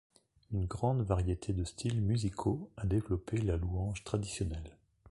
Une grande variété de styles musicaux a développé la louange traditionnelle.